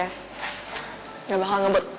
nggak bakal ngebut